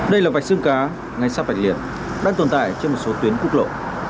đây là vạch xương cá ngay sắp vạch liệt đang tồn tại trên một số tuyến quốc lộ